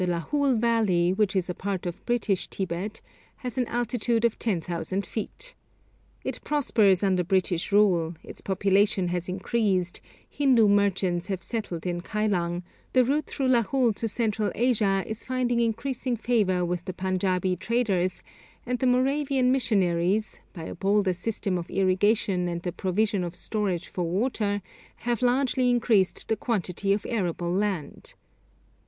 The Lahul valley, which is a part of British Tibet, has an altitude of 10,000 feet. It prospers under British rule, its population has increased, Hindu merchants have settled in Kylang, the route through Lahul to Central Asia is finding increasing favour with the Panjābi traders, and the Moravian missionaries, by a bolder system of irrigation and the provision of storage for water, have largely increased the quantity of arable land.